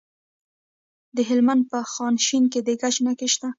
د هلمند په خانشین کې د ګچ نښې شته.